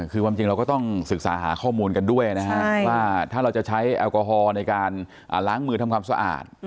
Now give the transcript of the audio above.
คือความจริงเราก็ต้องศึกษาหาข้อมูลกันด้วยนะฮะว่าถ้าเราจะใช้แอลกอฮอล์ในการล้างมือทำความสะอาด